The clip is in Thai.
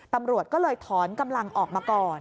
ตำรวจก็เลยถอนกำลังออกมาก่อน